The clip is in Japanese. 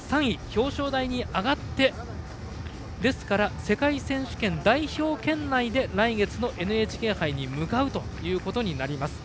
表彰台に上がって世界選手権代表圏内で来月のＮＨＫ杯に向かうことになります。